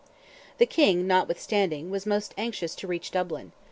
The King, notwithstanding, was most anxious to reach Dublin.